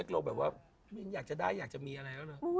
เราอยากจะได้อยากจะมีอะไร